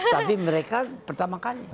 tapi mereka pertama kali